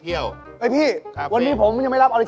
เยี่ยมพี่คนที่ผมอย่างไม่รับตุลก